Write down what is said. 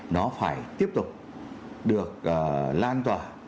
nó phải tiếp tục được lan tỏa